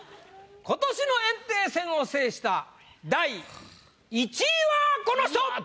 今年の炎帝戦を制した第１位はこの人！